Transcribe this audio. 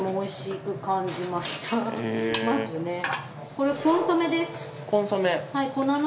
これコンソメです。